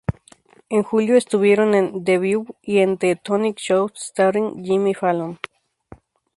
En julio, estuvieron en "The View" y en "The Tonight Show Starring Jimmy Fallon".